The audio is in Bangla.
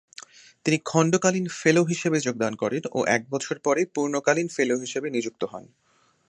তিনি খণ্ডকালীন ফেলো হিসেবে যোগদান করেন ও এক বছর পরে পূর্ণকালীন ফেলো হিসেবে নিযুক্ত হন।